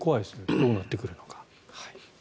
どうなってくるか。